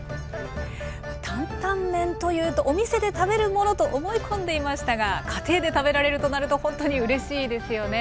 担々麺というとお店で食べるものと思い込んでいましたが家庭で食べられるとなるとほんとにうれしいですよね。